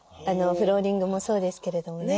フローリングもそうですけれどもね。